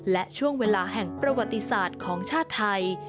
และช่วงเวลาแห่งประวัติศาสตร์ของชาติไทย